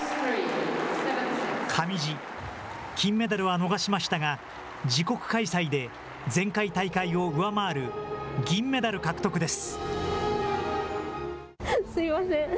上地、金メダルは逃しましたが、自国開催で前回大会を上回る銀メダル獲得です。